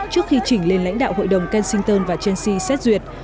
trước khi chỉnh lên lãnh đạo hội đồng kensington và chelsea xét duyệt